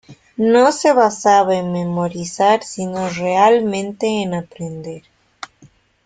No se basaba en memorizar sino realmente en aprender.